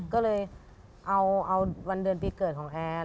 ก็เลยเอาวันเดือนปีเกิดของแอร์